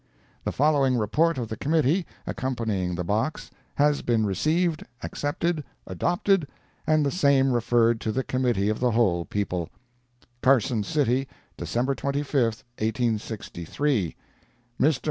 The following report of the committee, accompanying the box, has been received, accepted, adopted, and the same referred to the Committee of the Whole people: CARSON City, December 25, 1863. Mr.